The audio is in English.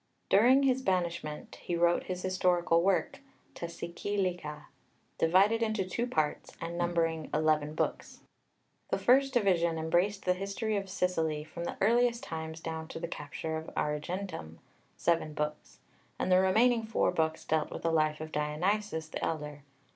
During his banishment he wrote his historical work, τὰ Σικελικά, divided into two parts and numbering eleven books. The first division embraced the history of Sicily from the earliest times down to the capture of Agrigentum (seven books), and the remaining four books dealt with the life of Dionysius the elder.